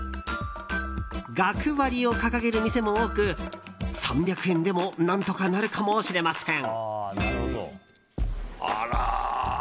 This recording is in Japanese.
学割を掲げる店も多く３００円でも何とかなるかもしれません。